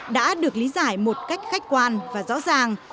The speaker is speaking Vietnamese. đã được lý giải một cách khách quan và rõ ràng